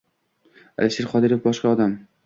Alisher Qodirov boshqa odam